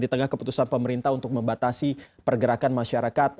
di tengah keputusan pemerintah untuk membatasi pergerakan masyarakat